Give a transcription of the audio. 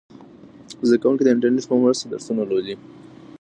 زده کوونکي د انټرنیټ په مرسته درسونه لولي.